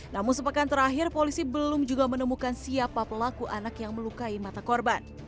namun sepekan terakhir polisi belum juga menemukan siapa pelaku anak yang melukai mata korban